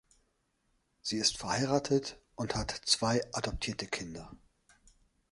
Sie ist verheiratet und hat zwei adoptierte Kinder.